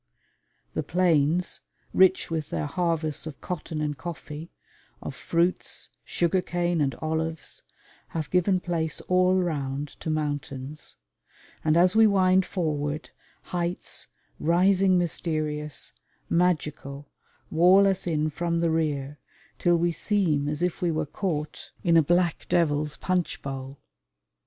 The plains, rich with their harvests of cotton and coffee, of fruits, sugar cane and olives, have given place all round to mountains; and as we wind forward, heights, rising mysterious, magical, wall us in from the rear till we seem as if we were caught in a black devil's punch bowl.